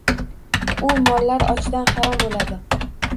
U mollar ochdan harom o‘ladi.